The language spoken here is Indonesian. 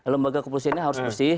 lembaga kepolisian ini harus bersih